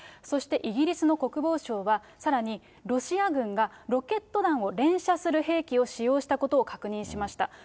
そして、イギリスの国防省は、さらにロシア軍がロケット弾を連射する兵器を使用したことを確認しました。